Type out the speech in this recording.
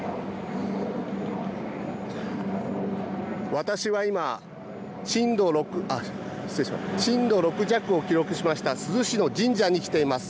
私は今、震度６弱を記録しました珠洲市の神社に来ています。